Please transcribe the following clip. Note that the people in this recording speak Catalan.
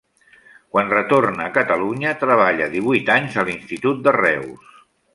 Quan retorna a Catalunya, treballa divuit anys a l'Institut de Reus.